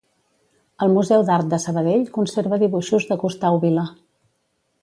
El Museu d'Art de Sabadell conserva dibuixos de Gustau Vila.